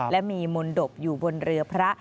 และมีมนตบอยู่บนเรือพระ